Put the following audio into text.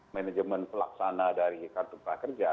manajemen pelaksana dari kartu prakerja